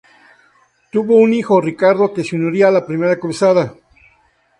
Tuvo un hijo, Ricardo, que se uniría a la Primera Cruzada.